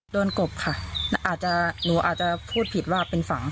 กบค่ะอาจจะหนูอาจจะพูดผิดว่าเป็นฝัง